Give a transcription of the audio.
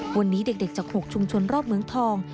วันนี้เด็กจาก๖ชุมชนรอบเมืองทอง